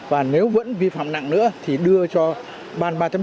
và nếu vẫn vi phạm nặng nữa thì đưa cho ban ba